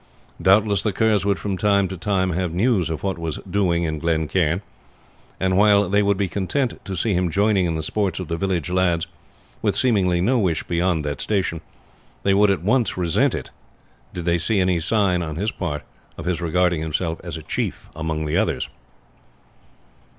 Doubtless the Kerrs would from time to time have news of what was doing in Glen Cairn; and while they would be content to see him joining in the sports of the village lads, with seemingly no wish beyond that station, they would at once resent it did they see any sign on his part of his regarding himself as a chief among the others.